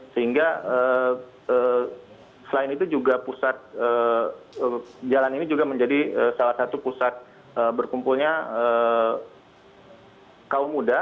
sehingga selain itu juga pusat jalan ini juga menjadi salah satu pusat berkumpulnya kaum muda